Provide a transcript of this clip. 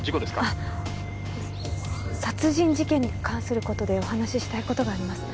あっ殺人事件に関することでお話ししたいことがあります